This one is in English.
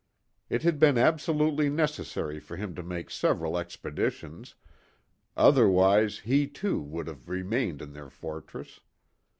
It had been absolutely necessary for him to make several expeditions, otherwise he, too, would have remained in their fortress.